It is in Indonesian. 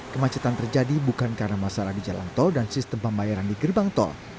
kemacetan terjadi bukan karena masalah di jalan tol dan sistem pembayaran di gerbang tol